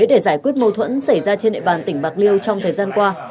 để giải quyết mâu thuẫn xảy ra trên địa bàn tỉnh bạc liêu trong thời gian qua